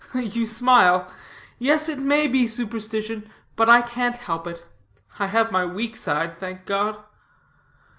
You smile. Yes, it may be superstition, but I can't help it; I have my weak side, thank God.